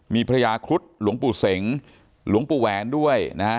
มีพระยาครุฑหลวงปู่เสงหลวงปู่แหวนด้วยนะฮะ